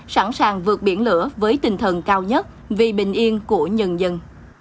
sẵn sàng vượt biển lửa với tinh thần cao nhất vì bình yên của nhân dân